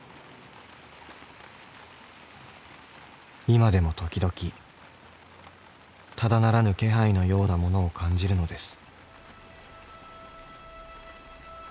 ［今でも時々ただならぬ気配のようなものを感じるのです］